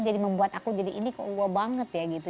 jadi membuat aku jadi ini kok gue banget ya gitu